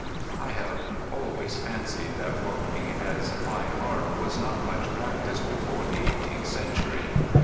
I have always fancied that walking as a fine art was not much practised before the eighteenth century.